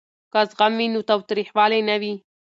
که زغم وي نو تریخوالی نه وي.